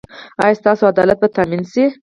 ایا ستاسو عدالت به تامین شي؟